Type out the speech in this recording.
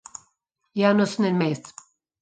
János Németh